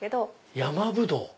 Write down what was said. ヤマブドウ。